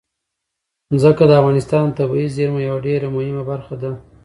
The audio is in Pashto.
ځمکه د افغانستان د طبیعي زیرمو یوه ډېره مهمه برخه ده.